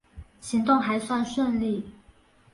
行动还算顺利